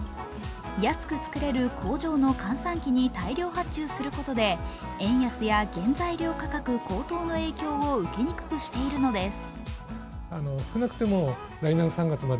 安く作れる工場の閑散期に大量発注することで円安や原材料価格高騰の影響を受けにくくしているのです。